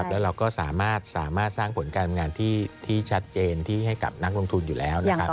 แล้วเราก็สามารถสร้างผลการงานที่ชัดเจนที่ให้กับนักลงทุนอยู่แล้วนะครับ